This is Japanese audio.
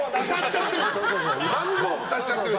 歌っちゃってる。